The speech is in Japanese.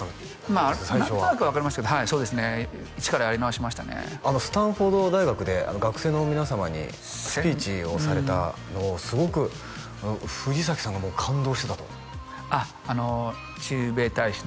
まあ何となくは分かりましたけどはいそうですね一からやり直しましたねスタンフォード大学で学生の皆様にスピーチをされたのをすごく藤崎さんがもう感動してたとあっあの駐米大使の？